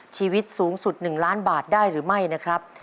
ชีวิตสูงสุด๑ล้านบาทได้หรือไม่นะครับ